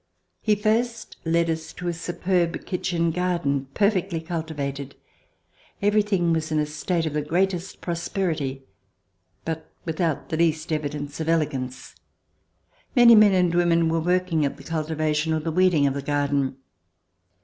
He first led us to a superb kitchen garden perfectly cultivated. Everything was in a state of the greatest prosperity, but without the least evi dence of elegance. Many men and women were working at the cultivation or the weeding of the garden.